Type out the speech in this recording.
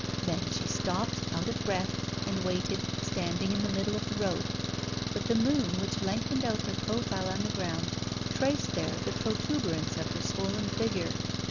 Then she stopped, out of breath, and waited, standing in the middle of the road. But the moon, which lengthened out her profile on the ground, traced there the protuberance of her swollen figure.